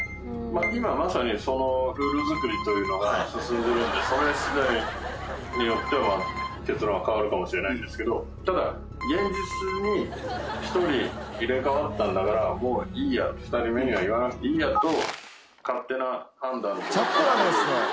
まあ今まさにそのルール作りというのが進んでるんでそれ次第によっては結論は変わるかもしれないんですけどただ現実に１人入れ替わったんだからもういいや２人目には言わなくていいやと勝手な判断でチャットがですね